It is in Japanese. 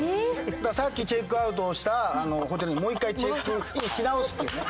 だからさっきチェックアウトをしたホテルにもう１回チェックインし直すっていうね。